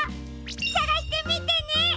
さがしてみてね！